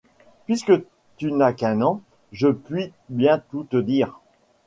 Puisque tu n'as qu'un an, je puis bien tout te dire